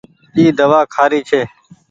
اي دوآ کآري ڇي۔